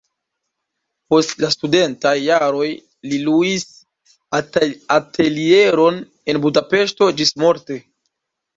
Post la studentaj jaroj li luis atelieron en Budapeŝto ĝismorte.